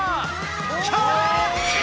キャッチ！！